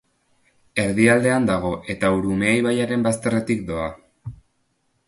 Erdialdean dago eta Urumea ibaiaren bazterretik doa.